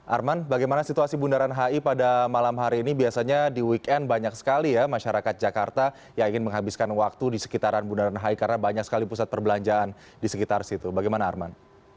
arman bagaimana situasi bundaran hi pada malam hari ini biasanya di weekend banyak sekali ya masyarakat jakarta yang ingin menghabiskan waktu di sekitaran bundaran hi karena banyak sekali pusat perbelanjaan di sekitar situ bagaimana arman